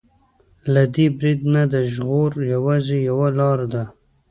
له دې برید نه د ژغور يوازې يوه لاره ده.